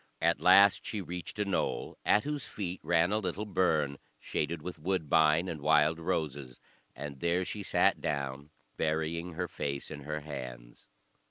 At last she reached a knoll, at whose feet ran a little burn, shaded with woodbine and wild roses; and there she sat down, burying her face in her hands.